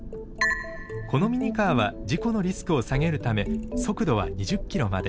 このミニカーは事故のリスクを下げるため速度は２０ｋｍまで。